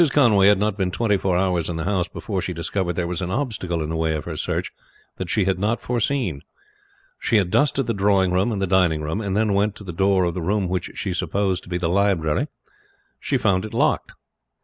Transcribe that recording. Conway had not been twenty four hours in the house before she discovered there was an obstacle in the way of her search that she had not foreseen. She had dusted the drawing room and dining room, and then went to the door of the room which she supposed to be the library. She found it locked.